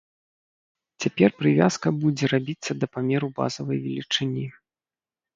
Цяпер прывязка будзе рабіцца да памеру базавай велічыні.